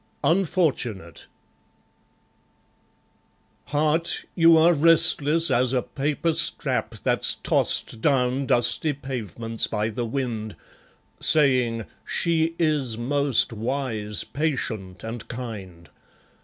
Unfortunate Heart, you are restless as a paper scrap That's tossed down dusty pavements by the wind; Saying, "She is most wise, patient and kind.